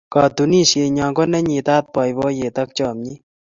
Katunisienyo ko ne nyitat boiboiyet ak chamet